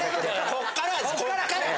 こっからよ。